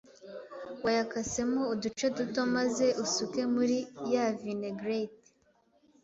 wayakasemo uduce duto maze usuke muri ya vinaigrette